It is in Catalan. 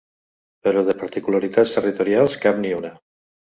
Però de particularitats territorials, cap ni una.